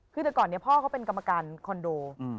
คือแต่ก่อนนี้พ่อเขาเป็นกรรมการคอนโด